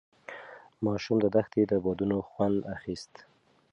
ماشوم د دښتې د بادونو خوند اخیست.